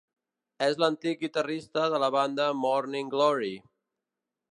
És l'antic guitarrista de la banda Morning Glory.